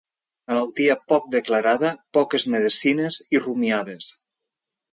Malaltia poc declarada, poques medecines i rumiades.